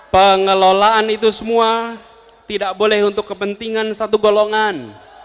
pengelolaan itu semua tidak boleh untuk kepentingan satu golongan